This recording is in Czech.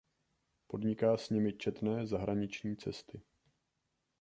Podniká s nimi četné zahraniční cesty.